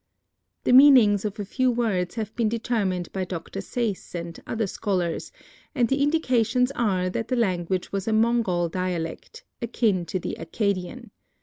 The meanings of a few words have been determined by Dr. Sayce and other scholars and the indications are that the language was a Mongol dialect, akin to the Accadian.